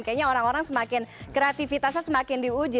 kayaknya orang orang semakin kreatifitasnya semakin diuji